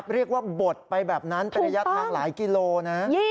เรียกว่าบดไปแบบนั้นเป็นระยะทางหลายกิโลนะ